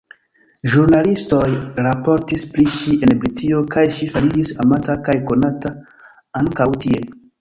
Ĵurnalistoj raportis pri ŝi en Britio kaj ŝi fariĝis amata kaj konata ankaŭ tie.